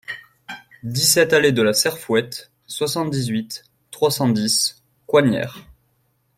dix-sept allée de la Serfouette, soixante-dix-huit, trois cent dix, Coignières